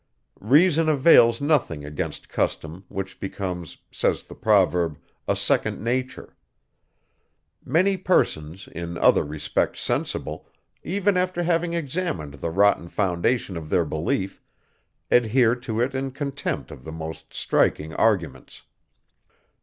Reason avails nothing against custom, which becomes, says the proverb, a second nature. Many persons, in other respects sensible, even after having examined the rotten foundation of their belief, adhere to it in contempt of the most striking arguments.